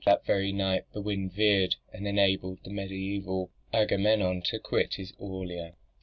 That very night the wind veered, and enabled the mediaeval Agamemnon to quit his Aulia.